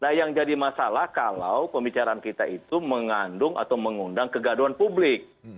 nah yang jadi masalah kalau pembicaraan kita itu mengandung atau mengundang kegaduhan publik